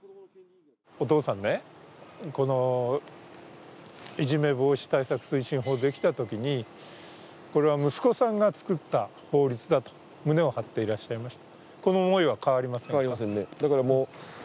お父さんね、いじめ防止対策推進法ができたときにこれは息子さんが作った法律だと胸を張っていらっしゃいました。